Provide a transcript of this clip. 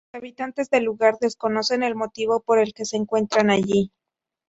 Los habitantes del lugar desconocen el motivo por el que se encuentran allí.